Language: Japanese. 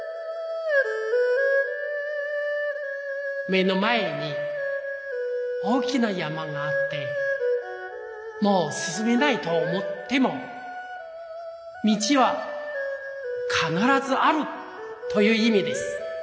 目の前に大きな山があってもうすすめないと思っても「道は必ずある」といういみです。